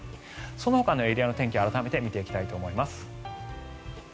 そのほかのエリアの天気を改めて見ていきたいと思います。